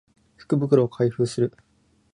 福袋を開封する